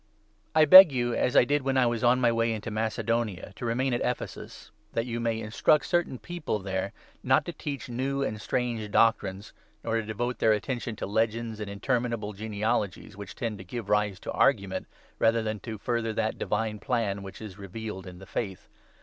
warning I beg you, as I did when I was on my way into 3 against False Macedonia, to remain at Ephesus ; that you may Teaching. mstruct certain people there not to teach new and strange doctrines, nor to devote their attention to legends and 4 interminable genealogies, which tend to give rise to argument rather than to further that divine plan which is revealed in the Faith.